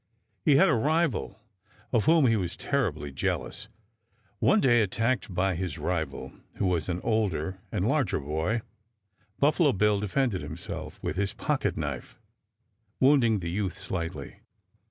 He had a rival of whom he was terribly jealous. One day, attacked by his rival, who was an older and larger boy, Buffalo Bill defended himself with his pocket knife, wounding the youth slightly.